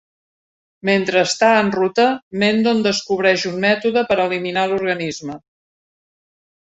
Mentre està en ruta, Mendon descobreix un mètode per eliminar l'organisme.